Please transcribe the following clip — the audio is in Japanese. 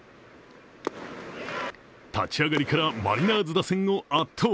立ち上がりからマリナーズ打線を圧倒。